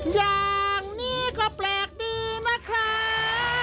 อย่างนี้ก็แปลกดีนะครับ